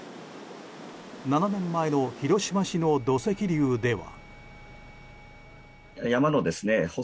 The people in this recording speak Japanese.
７年前の広島市の土石流では。